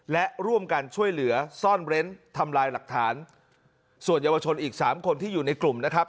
และร่วมกันช่วยเหลือซ่อนเร้นทำลายหลักฐานส่วนเยาวชนอีกสามคนที่อยู่ในกลุ่มนะครับ